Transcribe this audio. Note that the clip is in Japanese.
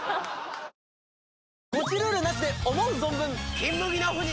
ゴチルールなしで思う存分。